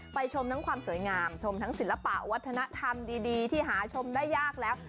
ชมทั้งความสวยงามชมทั้งศิลปะวัฒนธรรมดีที่หาชมได้ยากแล้ว